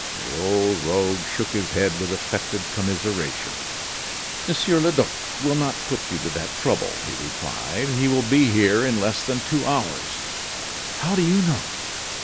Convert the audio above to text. The old rogue shook his head with affected commiseration. "Monsieur le Duc will not put you to that trouble," he replied; "he will be here in less than two hours." "How do you know?"